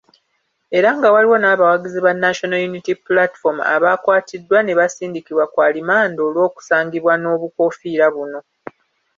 Era nga waliwo n'abawagizi ba National Unity Platform abaakwatiddwa nebasindikibwa ku alimanda olw'okusangibwa n'obukoofiira buno.